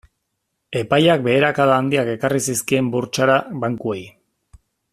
Epaiak beherakada handiak ekarri zizkien burtsara bankuei.